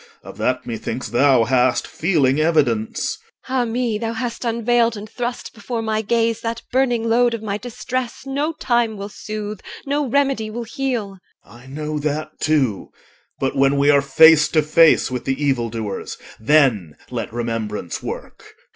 Of that methinks thou hast feeling evidence. EL. Ah me! thou hast unveiled And thrust before my gaze That burning load of my distress No time will soothe, no remedy will heal. OR. I know that too. But when we are face to face With the evildoers, then let remembrance work.